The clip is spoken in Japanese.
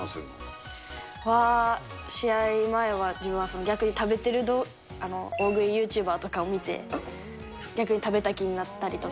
試合前は自分は逆に食べてる大食いユーチューバーとかを見て、逆に食べた気になったりとか。